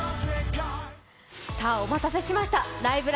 お待たせしました「ライブ！